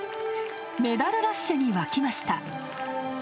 メダルラッシュに沸きました。